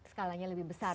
skalanya lebih besar